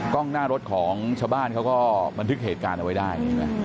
กล้องหน้ารถของชาวบ้านเขาก็บันทึกเหตุการณ์เอาไว้ได้